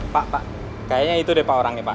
pak pak kayaknya itu deh pak orangnya pak